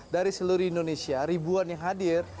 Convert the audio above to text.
dari seluruh indonesia ribuan yang hadir